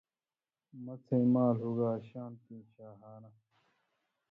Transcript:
مڅھئیں مال ہوگا شان تئیں شاہانہ